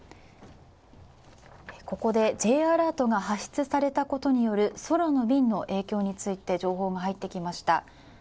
ここでＪアラートが発出されたことによる空の便について情報が入ってきました。